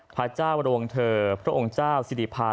พระเจ้ารวงเธอพระองค์เจ้าสิริภา